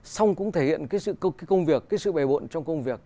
xong cũng thể hiện cái công việc cái sự bề bộn trong công việc